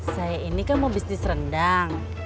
saya ini kan mau bisnis rendang